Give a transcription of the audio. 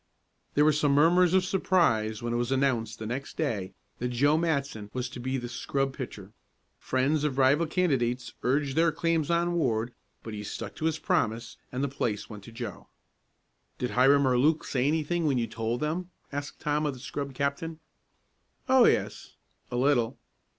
There were some murmurs of surprise when it was announced the next day that Joe Matson was to be the scrub pitcher. Friends of rival candidates urged their claims on Ward, but he stuck to his promise and the place went to Joe. "Did Hiram or Luke say anything when you told them?" asked Tom of the scrub captain. "Oh, yes a little."